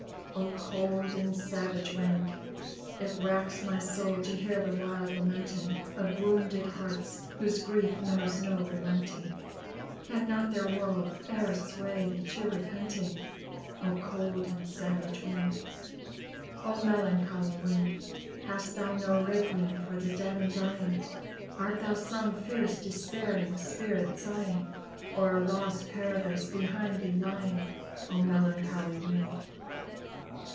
"O cold and savage wind! It racks my soul to hear the wild lamenting Of wounded hearts whose grief knows no relenting, Can not their woe e'er sway thee to repenting? O cold and savage wind! O melancholy wind! Hast thou no requiem for the dead and dying? Art thou some fierce despairing spirit sighing O'er a lost Paradise behind thee lying? O melancholy wind!"